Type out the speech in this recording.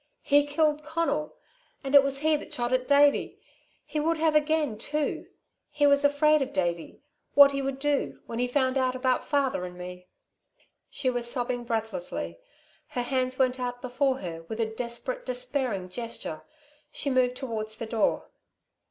He killed Conal. And it was he that shot at Davey. He would have again, too. He was afraid of Davey what he would do ... when he found out about father and me." She was sobbing breathlessly; her hands went out before her with a desperate, despairing gesture. She moved towards the door.